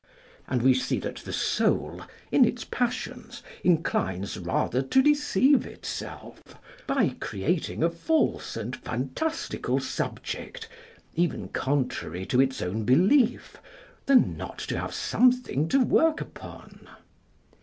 And we see that the soul, in its passions, inclines rather to deceive itself, by creating a false and fantastical a subject, even contrary to its own belief, than not to have something to work upon.